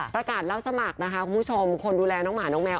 รับสมัครนะคะคุณผู้ชมคนดูแลน้องหมาน้องแมว